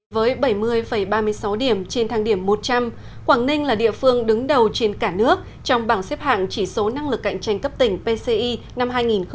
với bảy mươi ba mươi sáu điểm trên thang điểm một trăm linh quảng ninh là địa phương đứng đầu trên cả nước trong bảng xếp hạng chỉ số năng lực cạnh tranh cấp tỉnh pci năm hai nghìn một mươi tám